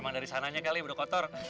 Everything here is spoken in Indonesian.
emang dari sananya kali udah kotor